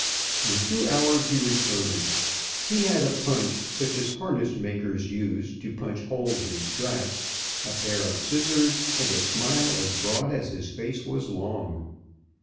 In two hours he returned. He had a punch such as harness makers use to punch holes in straps, a pair of scissors, and a smile as broad as his face was long.